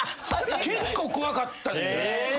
結構怖かったよね。